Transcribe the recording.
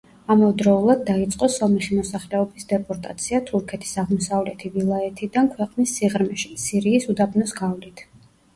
ამავდროულად დაიწყო სომეხი მოსახლეობის დეპორტაცია თურქეთის აღმოსავლეთი ვილაიეთიდან ქვეყნის სიღრმეში, სირიის უდაბნოს გავლით.